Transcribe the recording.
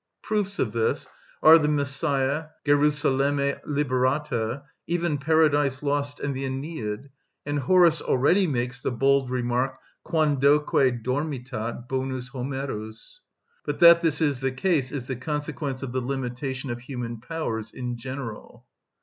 Proofs of this are the "Messiah," "Gerusalemme liberata," even "Paradise Lost" and the "Æneid;" and Horace already makes the bold remark, "Quandoque dormitat bonus Homerus." But that this is the case is the consequence of the limitation of human powers in general.